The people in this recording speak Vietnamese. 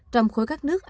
trong khối các nước asean